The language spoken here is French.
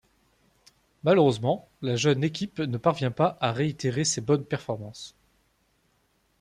Malheureusement, la jeune équipe ne parvient pas à réitérer ses bonnes performances.